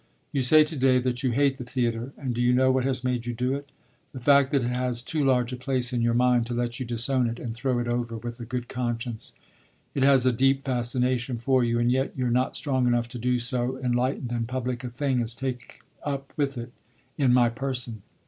You say to day that you hate the theatre and do you know what has made you do it? The fact that it has too large a place in your mind to let you disown it and throw it over with a good conscience. It has a deep fascination for you, and yet you're not strong enough to do so enlightened and public a thing as take up with it in my person.